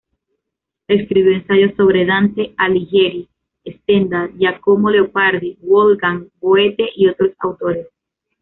Escribió ensayos sobre Dante Alighieri, Stendhal, Giacomo Leopardi, Wolfgang Goethe y otros autores.